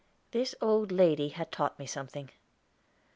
This old lady had taught me something.